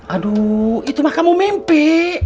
aduh itu mah kamu mimpi